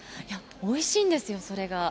おいしいんですよ、それが。